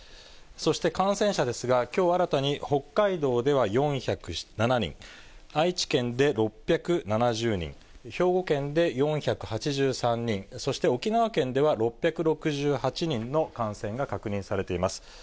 そして感染者ですが、きょう新たに北海道では４０７人、愛知県で６７０人、兵庫県で４８３人、そして沖縄県では６６８人の感染が確認されています。